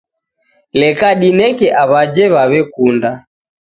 Leka dineke aw'aje w'aw'ekuna.